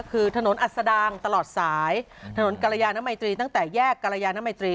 คือถนนอัศดางตลอดสายถนนกรยานมัยตรีตั้งแต่แยกกรยานมัยตรี